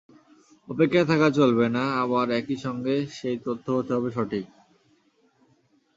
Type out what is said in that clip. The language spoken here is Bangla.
অপেক্ষায় থাকা চলবে না, আবার একই সঙ্গে সেই তথ্য হতে হবে সঠিক।